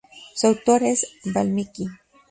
Su autor es Valmiki.